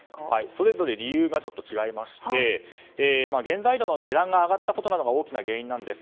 それぞれ理由が違いまして原材料の値段が上がったことなどが主な原因です。